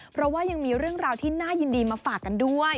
เพราะว่ายังมีเรื่องราวที่น่ายินดีมาฝากกันด้วย